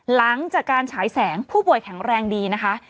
หลังจากการฉายแสงผู้ป่วยแข็งแรงดีนะคะ